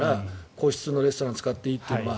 個室のレストラン使っていいというのは。